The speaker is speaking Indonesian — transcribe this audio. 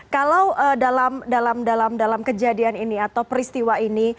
kalau dalam kejadian ini atau peristiwa ini